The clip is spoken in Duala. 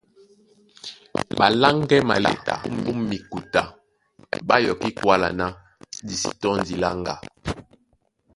Ɓaláŋgɛ́ maléta ó mikuta ɓá yɔkí kwála ná di sí tɔ́ndi láŋga;